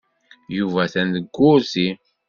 Yuba atan deg wurti.